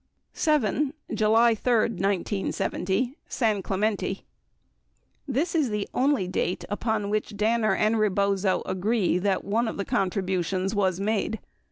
7. JULY 3, 1970 SAN CLEMENTE This is the only date upon which Danner and Rebozo agree that one of the contributions was made.